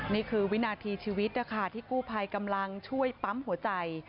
นี่คือวินาทีชีวิตนะคะที่กู้ภัยกำลังช่วยปั๊มหัวใจ